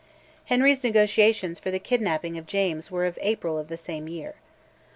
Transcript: Henry's negotiations for the kidnapping of James were of April of the same year.